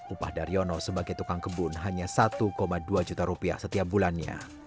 upah daryono sebagai tukang kebun hanya satu dua juta rupiah setiap bulannya